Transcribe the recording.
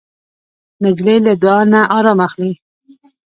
نجلۍ له دعا نه ارام اخلي.